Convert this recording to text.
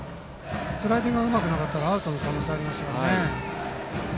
スライディングがうまくなかったらアウトの可能性ありましたね。